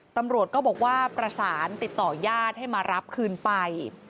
ตำรวจก็บอกว่าประสานติดต่อญาติให้มารับคืนไป